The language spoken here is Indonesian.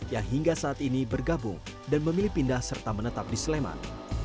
yang hingga saat ini bergabung dan memilih pindah serta menetap di sleman